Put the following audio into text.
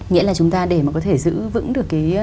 nghĩa là chúng ta để mà có thể giữ vững được cái